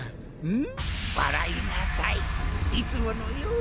ん？